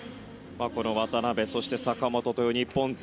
この渡辺そして坂本という日本勢